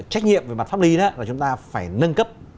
trách nhiệm về mặt pháp lý đó là chúng ta phải nâng cấp